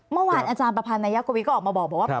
เมื่อวานอาจารย์ประพันธ์นายกวิทก็ออกมาบอกว่า